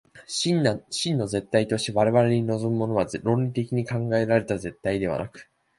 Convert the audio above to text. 真の絶対として我々に臨むものは、論理的に考えられた絶対ではなく、